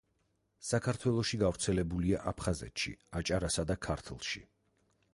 საქართველოში გავრცელებულია აფხაზეთში, აჭარასა და ქართლში.